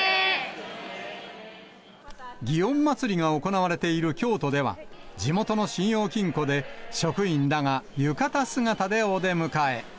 祇園祭が行われている京都では、地元の信用金庫で、職員らが浴衣姿でお出迎え。